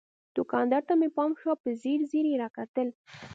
دوکاندار ته مې پام شو، په ځیر ځیر یې را کتل.